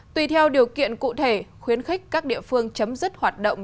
tùy theo điều kiện cụ thể khuyến khích các địa phương chấm dứt hoạt động